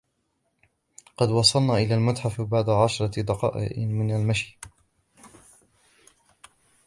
قد وصلنا إلى المتحف بعد عشرة دقائق من المشي